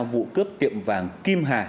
vụ cướp tiệm vàng kim hà